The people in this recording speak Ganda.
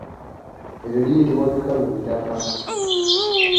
Eryo liyitibwa bikalubitaaka.